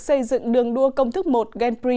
xây dựng đường đua công thức một genpri